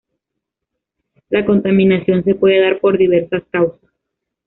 La contaminación se puede dar por diversas causas.